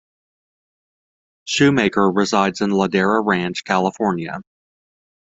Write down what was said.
Schumaker resides in Ladera Ranch, California.